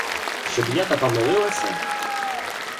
Щоб я та помилилася!